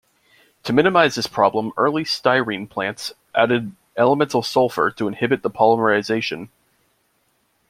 To minimize this problem, early styrene plants added elemental sulfur to inhibit the polymerization.